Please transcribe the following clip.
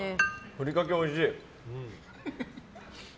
ふりかけ、おいしい。